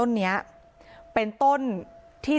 ชั่วโมงตอนพบศพ